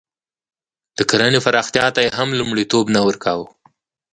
د کرنې پراختیا ته یې هم لومړیتوب نه ورکاوه.